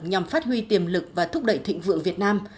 nhằm phát huy tiềm lực và thúc đẩy thịnh vượng việt nam